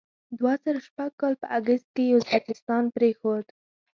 دوه زره شپږ کال په اګست کې یې ازبکستان پرېښود.